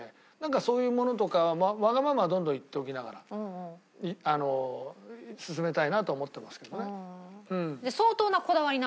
そういうものとかわがままはどんどん言っておきながら進めたいなとは思ってますけどね。